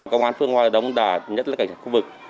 công an phương hoa đồng đã nhất là cảnh sát khu vực